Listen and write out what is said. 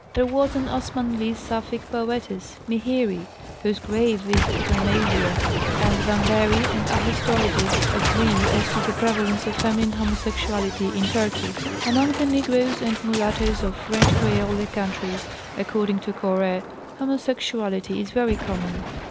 There was an Osmanli Sapphic poetess, Mihiri, whose grave is at Amasia, and Vambery and Achestorides agree as to the prevalence of feminine homosexuality in Turkey. Among the negroes and mulattoes of French creole countries, according to Corre, homosexuality is very common.